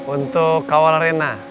untuk kawal rena